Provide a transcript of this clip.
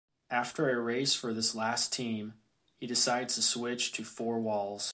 After a race for this last team, he decides to switch to four walls.